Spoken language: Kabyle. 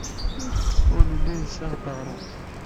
Ur nelli nessaɣ-d aɣrum.